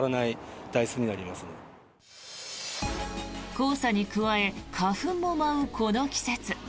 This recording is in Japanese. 黄砂に加え花粉も舞うこの季節。